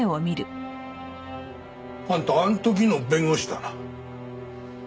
あんたあの時の弁護士だな？